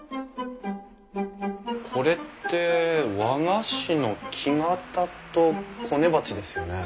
これって和菓子の木型とこね鉢ですよね？